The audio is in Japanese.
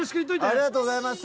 ありがとうございます！